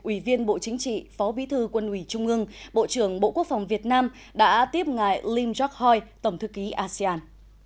ủy viên bộ chính trị phó bí thư quân ủy trung ương bộ trưởng bộ quốc phòng việt nam đã tiếp ngài lim jokhoy tổng thư ký asean